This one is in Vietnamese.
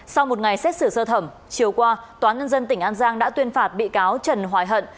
sau một ngày xét xử sơ thẩm chiều qua tòa nhân dân tỉnh an giang đã tuyên phạt bị cáo trần hoài hận